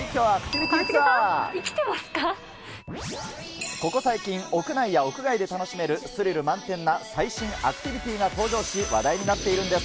上重さん、ここ最近、屋内や屋外で楽しめるスリル満点な最新アクティビティー登場し、話題になっているんです。